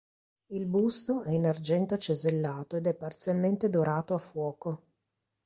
Il busto è in argento cesellato ed è parzialmente dorato a fuoco.